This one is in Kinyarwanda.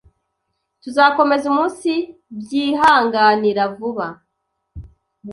tuzakomeza umunsibyihanganira vuba